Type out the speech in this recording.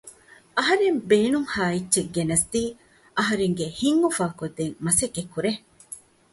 އަހަރެން ބޭނުންހާ އެއްޗެއް ގެނަސްދީ އަހަރެންގެ ހިތް އުފާ ކޮށްދޭން މަސައްކަތް ކުރޭ